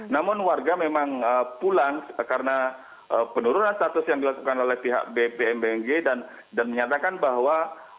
namun warga memang pulang karena penurunan status yang dilakukan oleh pihak bpmbng dan menyatakan bahwa